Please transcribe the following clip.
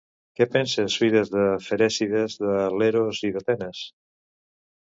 Què pensa Suides de Ferècides de Leros i d'Atenes?